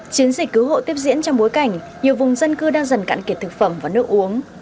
chiến dịch cứu hộ tiếp diễn trong bối cảnh nhiều vùng dân cư đang dần cạn kiệt thực phẩm và nước uống